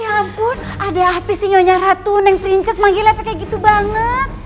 ya ampun ada hp sinyonya ratu neng princess mang gila apa kayak gitu banget